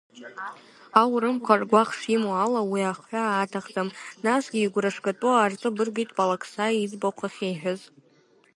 Аурымқәа ргәаӷ шимоу ала уи ахҳәаа аҭахӡам, насгьы игәра шгатәу арҵабыргит Палаксаи иӡбахә ахьиҳәаз!